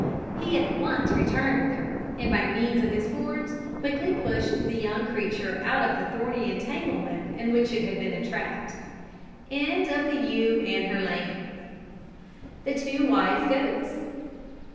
He at once returned with her, and by means of his horns quickly pushed the young creature out of the thorny entanglement in which it had been entrapped. THE TWO WISE GOATS.